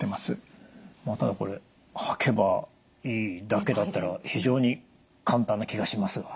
まあただこれ履けばいいだけだったら非常に簡単な気がしますが。